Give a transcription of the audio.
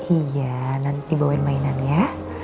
iya nanti dibawain mainan ya